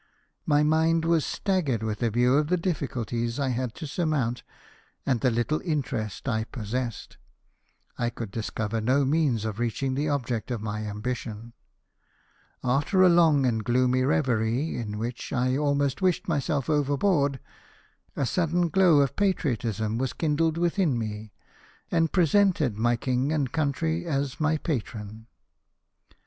My mind was staggered with a view of the difficulties I had to surmount, and the little interest I possessed. I could discover no means of reaching the object of my am bition. After a long and gloomy reverie, in which I almost wished myself overboard, a sudden glow of patriotism was kindled within me, and presented my king and country as my patron.